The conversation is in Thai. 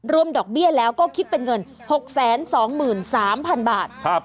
รวมดอกเบี้ยแล้วก็คิดเป็นเงินหกแสนสองหมื่นสามพันบาทครับ